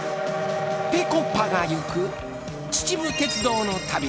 ぺこぱが行く秩父鉄道の旅。